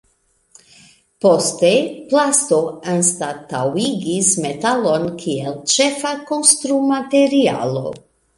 Poste plasto anstataŭigis metalon kiel ĉefa konstrumaterialo.